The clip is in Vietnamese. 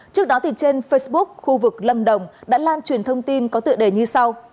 trước đó trên facebook khu vực lâm đồng đã lan truyền thông tin có tựa đề như sau